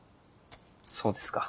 そうですか。